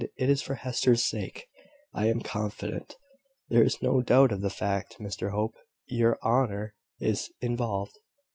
It is for Hester's sake, I am confident. There is no doubt of the fact, Mr Hope. Your honour is involved.